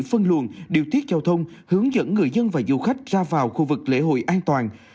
phân luận điều tiết giao thông hướng dẫn người dân và du khách ra vào khu vực lễ hội an toàn